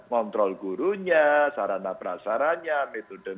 ngontrol gurunya sarana prasaranya metodenya